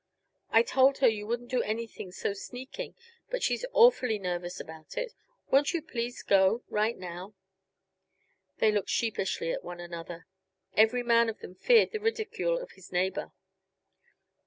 I told her you wouldn't do anything so sneaking, but she's awfully nervous about it. Won't you please go, right now?" They looked sheepishly at one another; every man of them feared the ridicule of his neighbor.